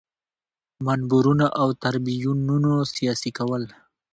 منبرونو او تریبیونونو سیاسي کول.